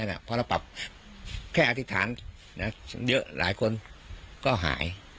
เพราะเราปรับแค่อธิษฐานเยอะหลายคนก็หาย